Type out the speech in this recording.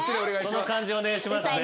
その感じお願いしますね。